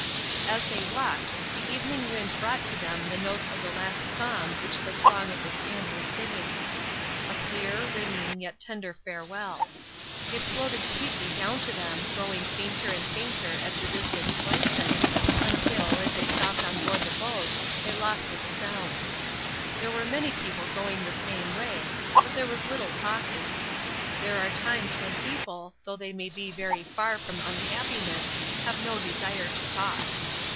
As they walked, the evening wind brought to them the notes of the last song which the throng at the stand were singing. A clear, ringing, yet tender farewell. It floated sweetly down to them, growing fainter and fainter as the distance lengthened, until, as they stepped on board the boat, they lost its sound. There were many people going the same way, but there was little talking. There are times when people, though they may be very far from unhappiness, have no desire to talk.